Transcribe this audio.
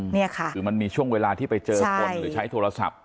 นี่ค่ะคือมันมีช่วงเวลาที่ไปเจอคนหรือใช้โทรศัพท์